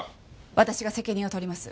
私が責任を取ります。